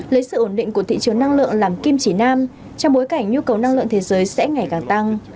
lấy sự ổn định của thị trường năng lượng làm kim chỉ nam trong bối cảnh nhu cầu năng lượng thế giới sẽ ngày càng tăng